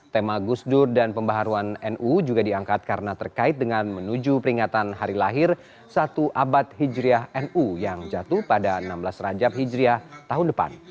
tema gusdur dan pembaharuan nu juga diangkat karena terkait dengan menuju peringatan hari lahir satu abad hijriah nu yang jatuh pada enam belas rajab hijriah tahun depan